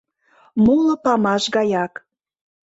Моло памаш гаяк.